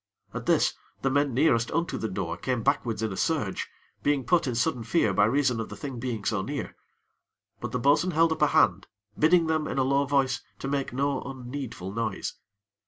At this, the men nearest unto the door came backwards in a surge, being put in sudden fear by reason of the Thing being so near; but the bo'sun held up a hand, bidding them, in a low voice, to make no unneedful noise.